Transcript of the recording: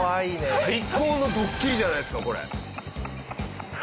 最高のドッキリじゃないですかこれ。